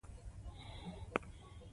توره شپه ده را روانه په ګامونو